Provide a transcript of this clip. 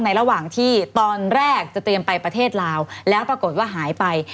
ระหว่างที่ตอนแรกจะเตรียมไปประเทศลาวแล้วปรากฏว่าหายไป